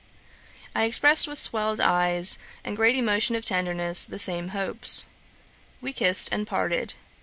I expressed, with swelled eyes, and great emotion of tenderness, the same hopes. We kissed, and parted.